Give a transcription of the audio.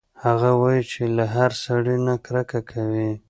هغه وايي چې له هر سړي نه کرکه کوي